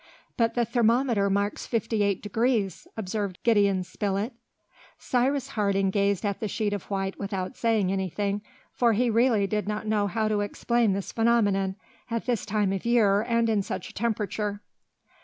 "But the thermometer marks fifty eight degrees!" observed Gideon Spilett. Cyrus Harding gazed at the sheet of white without saying anything, for he really did not know how to explain this phenomenon, at this time of year and in such a temperature.